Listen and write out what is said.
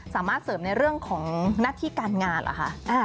สามารถเสริมในเรื่องของหน้าที่การงานเหรอคะ